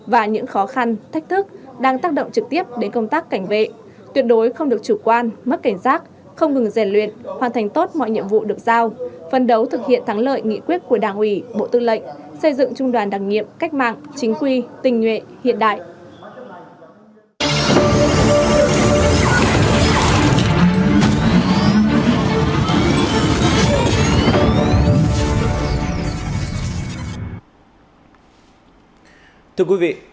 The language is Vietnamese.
và những khó khăn thách thức đang tác động trực tiếp đến công tác cảnh vệ tuyệt đối không được chủ quan mất cảnh giác không ngừng rèn luyện hoàn thành tốt mọi nhiệm vụ được giao phân đấu thực hiện thắng lợi nghị quyết của đảng ủy bộ tư lệnh xây dựng trung đoàn đặc nhiệm cách mạng chính quy tình nguyện hiện đại